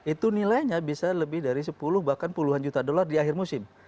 itu nilainya bisa lebih dari sepuluh bahkan puluhan juta dolar di akhir musim